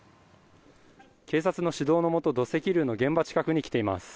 警察の指導のもと土石流の現場近くに来ています。